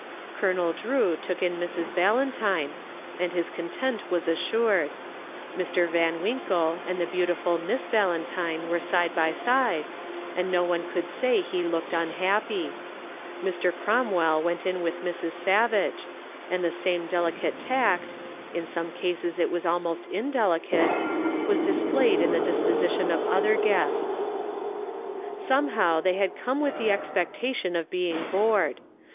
Colonel Drew took in Mrs. Valentine and his content was assured; Mr. Van Winkle and the beautiful Miss Valentine were side by side, and no one could say he looked unhappy; Mr. Cromwell went in with Mrs. Savage; and the same delicate tact in some cases it was almost indelicate was displayed in the disposition of other guests. Somehow they had come with the expectation of being bored.